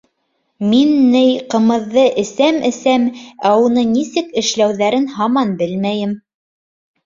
Мин, ни, ҡымыҙҙы эсәм-эсәм, ә уны нисек эшләүҙәрен һаман белмәйем.